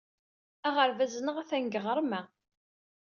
Aɣerbaz-nneɣ atan deg yiɣrem-a.